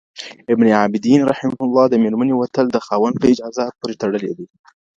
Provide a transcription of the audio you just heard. ابن عابدين رحمه الله د ميرمني وتل د خاوند په اجازه پوري تړلي دي.